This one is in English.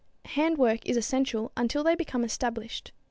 Handwork is essential until they become established.